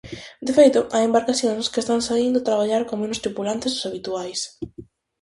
De feito, hai embarcacións que están saíndo a traballar con menos tripulantes dos habituais.